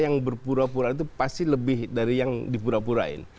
yang berpura pura itu pasti lebih dari yang dipura purain